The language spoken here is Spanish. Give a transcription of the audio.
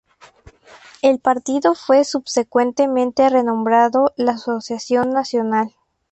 El partido fue subsecuentemente renombrado la Asociación Nacional.